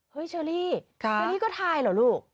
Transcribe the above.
เฮ้ยเชอรี่นี่ก็ไทยเหรอลูก